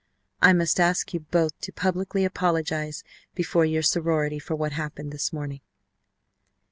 I must ask you both to publicly apologize before your sorority for what happened this morning."